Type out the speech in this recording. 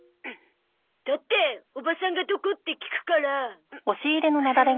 だっておばさんがどこって聞くから。